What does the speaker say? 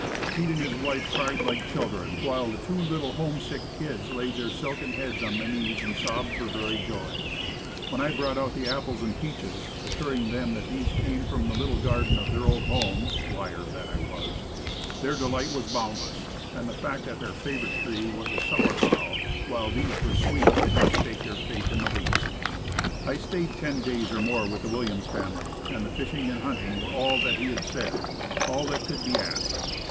Pete and his wife cried like chil dren, while the two little homesick "kids" laid their silken heads on my knees and sobbed for very joy. W T hen I brought out the apples and peaches, assuring them that these came from the little garden of their old home liar that I was their delight was bound less. And the fact that their favorite tree was a "sour bough," while these were sweet, did not shake their faith in the least. I staid ten days or more with the W T illiams family, and the fishing and hunting were all that he had said all that could be asked.